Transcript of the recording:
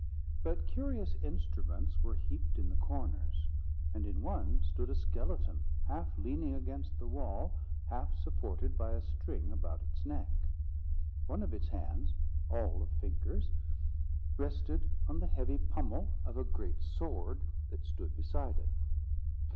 But curious instruments were heaped in the corners; and in one stood a skeleton, half leaning against the wall, half supported by a string about its neck. One of its hands, all of fingers, rested on the heavy pommel of a great sword that stood beside it.